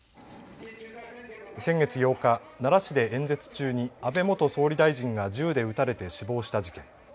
先月８日、奈良市で演説中に安倍元総理大臣が銃で撃たれて死亡した事件。